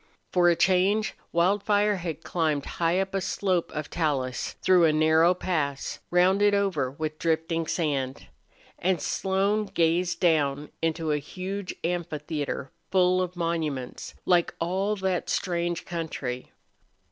For a change Wildfire had climbed high up a slope of talus, through a narrow pass, rounded over with drifting sand. And Slone gazed down into a huge amphitheater full of monuments, like all that strange country.